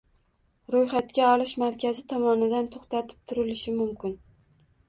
ro‘yxatga olish markazi tomonidan to‘xtatib turilishi mumkin.